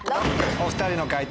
お２人の解答